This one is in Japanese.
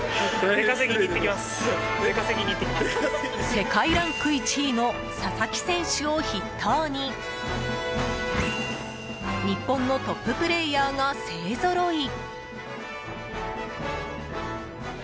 世界ランク１位の佐々木選手を筆頭に日本のトッププレイヤーが勢ぞろい。